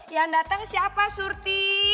yang dateng siapa surti